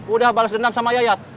udah balas dendam sama yayat